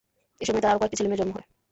এ সময়ে তাঁর আরো কয়েকটি ছেলে-মেয়ের জন্ম হয়।